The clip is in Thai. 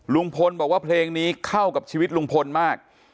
ลุงพลบอกว่าเพลงนี้เข้ากับชีวิตลุงพลมาก